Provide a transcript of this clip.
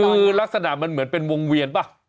คือลักษณะมันเหมือนเป็นวงเวียนป่ะ